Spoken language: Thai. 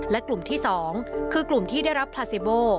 และกลุ่มที่๒คือกลุ่มที่ได้รับพลาซิโบ